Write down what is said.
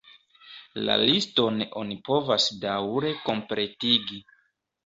La liston oni povas daŭre kompletigi.